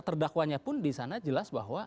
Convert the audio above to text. terdakwanya pun disana jelas bahwa